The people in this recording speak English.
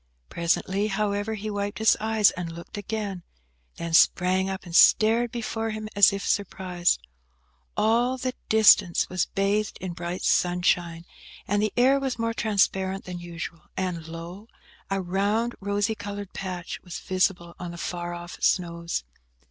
Presently, however, he wiped his eyes, and looked again; then sprang up and stared before him as if surprised. All the distance was bathed in bright sunshine, and the air was more transparent than usual, and, lo! a round rosy coloured patch was visible on the far off snows.